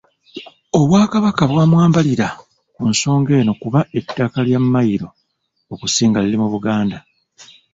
Obwakabaka bwa mwambalira ku nsonga eno kuba ettaka lya Mayiro okusinga liri mu Buganda.